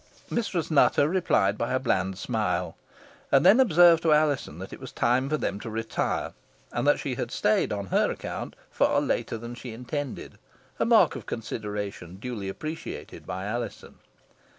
Mistress Nutter replied by a bland smile, and then observed to Alizon that it was time for them to retire, and that she had stayed on her account far later than she intended a mark of consideration duly appreciated by Alizon.